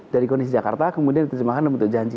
dari kondisi jakarta kemudian terjemahkan untuk janji